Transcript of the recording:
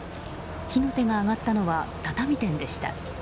火の手が上がったのは畳店でした。